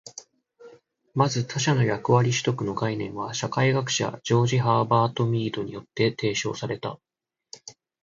まず、「他者の役割取得」の概念は社会学者ジョージ・ハーバート・ミードによって提唱された。